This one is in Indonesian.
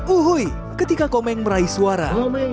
uhui ketika komeng meraih suara